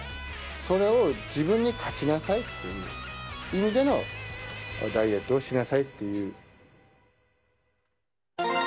それを自分に勝ちなさいという意味でのダイエットをしなさいっていう。